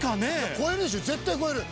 超えるでしょ、絶対超えるよ。